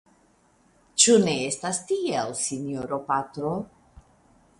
Ĉu ne estas tiel, sinjoro patro?